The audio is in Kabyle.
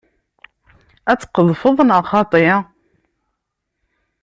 Ad tqedfeḍ neɣ xaṭi?